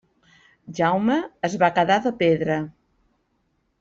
Jaume es va quedar de pedra.